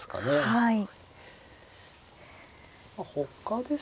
はい。